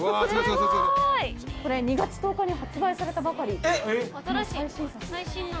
これ２月１０日に発売されたばかりの最新作。